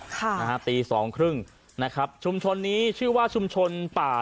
ค่ะนะฮะตีสองครึ่งนะครับชุมชนนี้ชื่อว่าชุมชนป่า